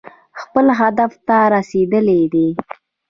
خپل هدف ته رسېدلي دي.